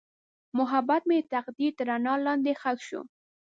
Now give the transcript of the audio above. محبت مې د تقدیر تر رڼا لاندې ښخ شو.